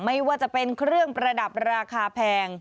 ไม่ว่าจะเป็นเครื่องประดับราคาแพง